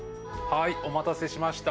お待たせしました。